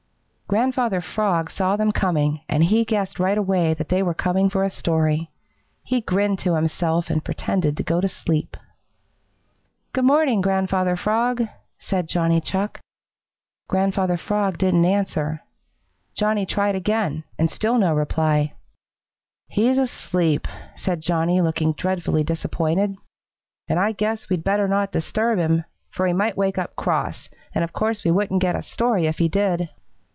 Grandfather Frog saw them coming, and he guessed right away that they were coming for a story. He grinned to himself and pretended to go to sleep. "Good morning, Grandfather Frog," said Johnny Chuck. Grandfather Frog didn't answer. Johnny tried again, and still no reply. "He's asleep," said Johnny, looking dreadfully disappointed, "and I guess we'd better not disturb him, for he might wake up cross, and of course we wouldn't get a story if he did."